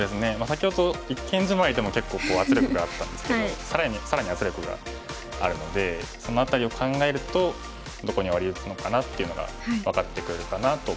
先ほど一間ジマリでも結構圧力があったんですけど更に圧力があるのでその辺りを考えるとどこにワリ打つのかなっていうのが分かってくるかなと思います。